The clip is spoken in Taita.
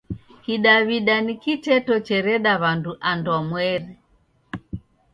Kidaw'ida ni kiteto chereda w'andu andwamweri.